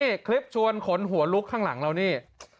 นี่คลิปชวนขนหัวลุกข้างหลังเรานี่